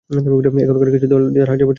এখানকার কিছু কিছু দেয়াল হাজার বছরের পুরানো।